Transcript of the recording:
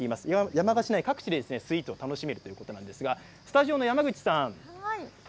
山鹿市内各地でスイーツを楽しめるということなんですがスタジオの山口さん